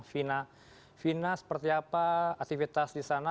vina seperti apa aktivitas di sana